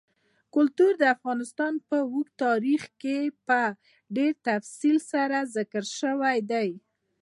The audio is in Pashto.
کلتور د افغانستان په اوږده تاریخ کې په ډېر تفصیل سره ذکر شوی دی.